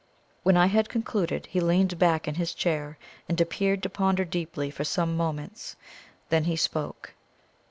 When I had concluded, he leaned back in his chair and appeared to ponder deeply for some moments. Then he spoke.